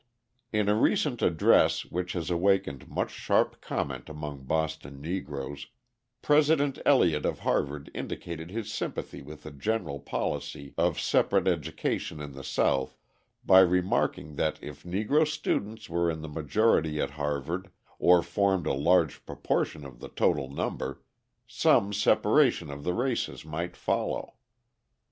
In a recent address which has awakened much sharp comment among Boston Negroes, President Eliot of Harvard indicated his sympathy with the general policy of separate education in the South by remarking that if Negro students were in the majority at Harvard, or formed a large proportion of the total number, some separation of the races might follow.